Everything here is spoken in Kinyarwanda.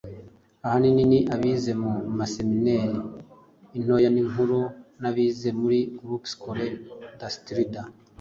Ahanini ni abize mu maseminari (intoya n'inkuru) n'abize muri Groupe Scolaire d'Astrida.